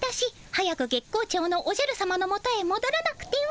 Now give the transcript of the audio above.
早く月光町のおじゃるさまのもとへもどらなくては。